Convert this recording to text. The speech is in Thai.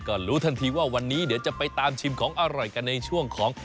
ก็รู้ทันทีว่าวันนี้เดี๋ยวจะไปตามชิมของอร่อยกันในช่วงของ